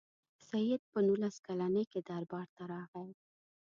سید په نولس کلني کې دربار ته راغی.